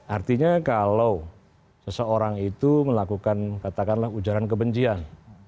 artinya kalau seseorang itu melakukan katakanlah ujaran kebencian